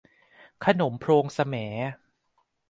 ขนมโพรงแสม